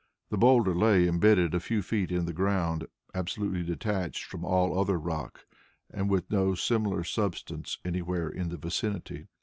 The boulder lay imbedded a few feet in the ground, absolutely detached from all other rock, and with no similar substance anywhere in the vicinity.